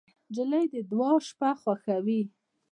نجلۍ د دعا شپه خوښوي.